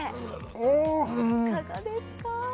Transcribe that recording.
あいかがですか